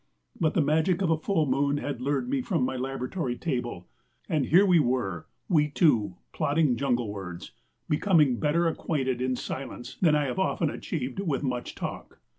But the magic of a full moon had lured me from my laboratory table, and here we were, we two, plodding junglewards, becoming better acquainted in silence than I have often achieved with much talk.